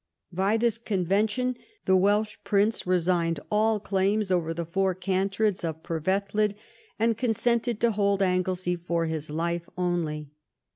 By this convention the Welsh prince resigned all claims over the Four Cantreds of Perveddwlad and consented to hold Anglesey for his life only.